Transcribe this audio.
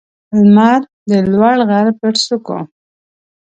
لمر د لوړ غر پر څوکو